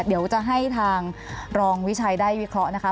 เดี๋ยวจะให้ทางรองวิชัยได้วิเคราะห์นะคะ